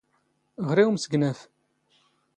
ⵖⵔ ⵉ ⵓⵎⵙⴳⵏⴰⴼ!